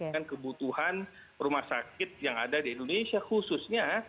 dan kebutuhan rumah sakit yang ada di indonesia khususnya